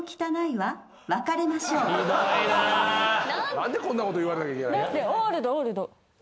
何でこんなこと言われなきゃいけない。